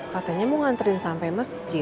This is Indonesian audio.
katanya mau ngantrin sampe masjid